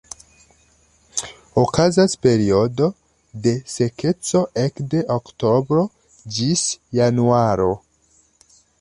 Okazas periodo de sekeco ekde oktobro ĝis januaro.